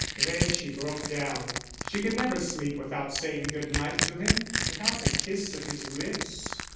Then she broke down; she could never sleep without saying good night to him, without the kiss of his lips.